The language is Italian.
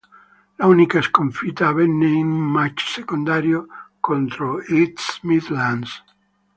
L'unica sconfitta avvenne in un match secondario contro East Midlands.